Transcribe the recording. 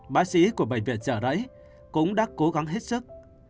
bác sĩ của bệnh viện trợ rẫy cũng đã cố gắng hết sức